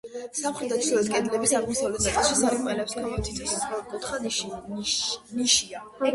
სამხრეთ და ჩრდილოეთ კედლების აღმოსავლეთ ნაწილში, სარკმლებს ქვემოთ, თითო სწორკუთხა ნიშია.